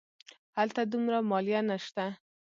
هلته دومره مالیه نه شته.